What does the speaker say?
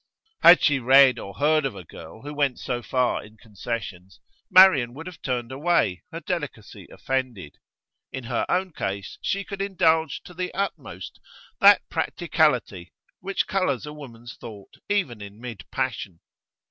Had she read or heard of a girl who went so far in concessions, Marian would have turned away, her delicacy offended. In her own case she could indulge to the utmost that practicality which colours a woman's thought even in mid passion.